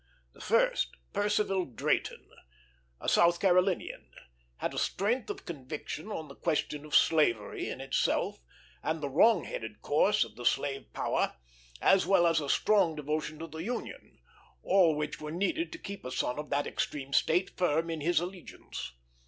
The first, Percival Drayton, a South Carolinian, had a strength of conviction on the question of slavery, in itself, and the wrong headed course of the slave power, as well as a strong devotion to the Union, all which were needed to keep a son of that extreme state firm in his allegiance.